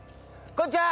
こんにちは！